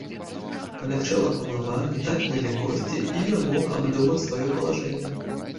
Палягчэла галава, не так нылі косці, і ён мог абдумаць сваё палажэнне.